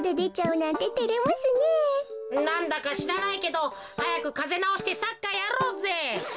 なんだかしらないけどはやくカゼなおしてサッカーやろうぜ。